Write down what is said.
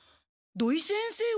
土井先生！